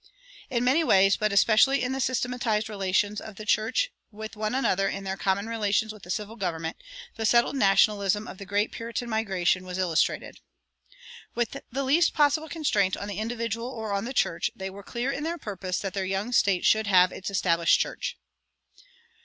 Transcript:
In many ways, but especially in the systematized relations of the churches with one another and in their common relations with the civil government, the settled Nationalism of the great Puritan migration was illustrated. With the least possible constraint on the individual or on the church, they were clear in their purpose that their young state should have its established church.